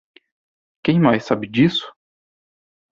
Quem mais sabe disso?